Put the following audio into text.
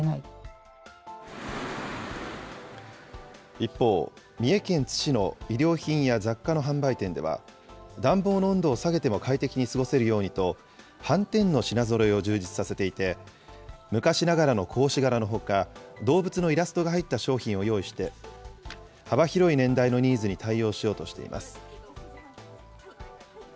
一方、三重県津市の衣料品や雑貨の販売店では、暖房の温度を下げても快適に過ごせるようにと、はんてんの品ぞろえを充実させていて、昔ながらの格子柄のほか、動物のイラストが入った商品を用意して、幅広い年代のニーズに対応しようとしています。